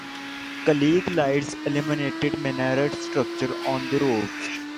Klieg lights illuminated minaret structures on the roof.